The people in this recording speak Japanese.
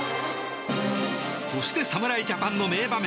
そして、侍ジャパンの名場面